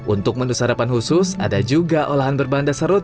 untuk merasakan praksis weather and peace setelah kenderangan patriarchal ini